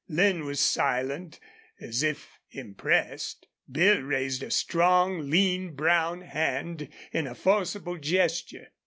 Lin was silent, as if impressed. Bill raised a strong, lean, brown hand in a forcible gesture.